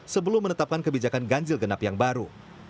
sebelum menetapkan kebijakan ganjil genap yang baru